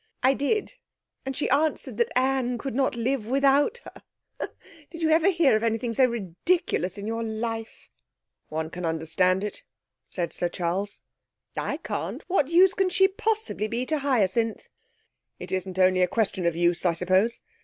'I did; and she answered that Anne could not live without her I Did you ever hear of anything so ridiculous in your life?' 'One can understand it,' said Sir Charles. 'I can't. What use can she possibly be to Hyacinth?' 'It isn't only a question of use, I suppose.